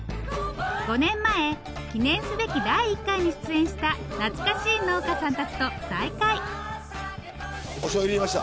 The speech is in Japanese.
５年前記念すべき第１回に出演した懐かしい農家さんたちと再会。